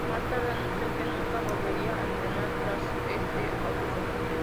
Más tarde anunció que nunca volvería a entrenar tras este abuso.